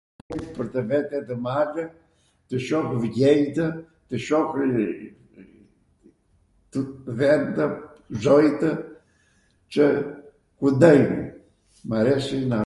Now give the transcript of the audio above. pwr tw vete ndw malw, tw shoh vjenjtw, tw shohi vendw ... zojtw, qw kundojn. Μ' αρέσει να...